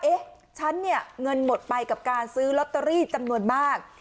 เอ๊ะฉันเนี่ยเงินหมดไปกับการซื้อลอตเตอรี่จำนวนมาก